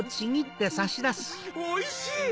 おいしい！